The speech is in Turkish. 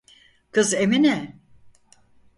Kız Emine…